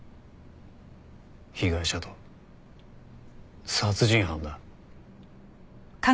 被害者と殺人犯だ。